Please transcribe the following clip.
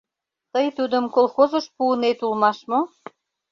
Тый тудым колхозыш пуынет улмаш мо?